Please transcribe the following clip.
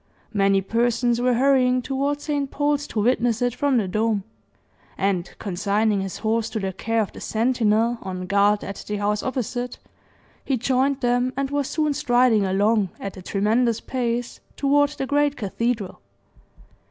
Many persons were hurrying toward St. Paul's to witness it from the dome; and consigning his horse to the care of the sentinel on guard at the house opposite, he joined them, and was soon striding along, at a tremendous pace, toward the great cathedral.